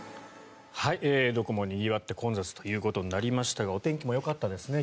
どこもにぎわって混雑となりましたがお天気もよかったですね